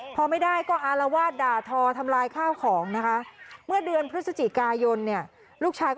พอไม่ได้ก็อารวาสด่าทอทำลายข้าวของนะคะ